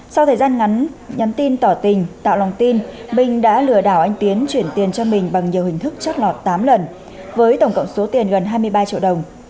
sau thời gian ngắn nhắn tin tỏ tình tạo lòng tin minh đã lừa đảo anh tiến chuyển tiền cho mình bằng nhiều hình thức trót lọt tám lần với tổng cộng số tiền gần hai mươi ba triệu đồng